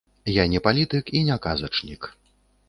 Я не палітык і не казачнік.